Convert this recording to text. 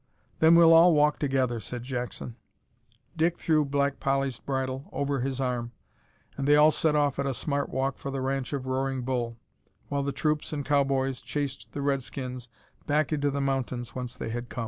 "Then we'll all walk together," said Jackson. Dick threw Black Polly's bridle over his arm, and they all set off at a smart walk for the ranch of Roaring Bull, while the troops and cow boys chased the Redskins back into the mountains whence they had come.